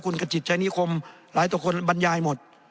คุณกจิตชะนีคมหลายคนบรรยายหมด